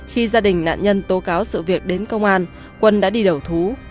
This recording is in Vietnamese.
khi gia đình nạn nhân tố cáo sự việc đến công an quân đã đi đầu thú